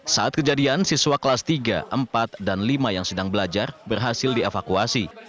saat kejadian siswa kelas tiga empat dan lima yang sedang belajar berhasil dievakuasi